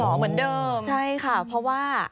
เหมือนเดิมใช่ค่ะเพราะว่า